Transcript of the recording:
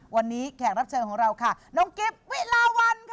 วันนี้แขกรับเชิญของเราค่ะน้องกิฟต์วิลาวันค่ะ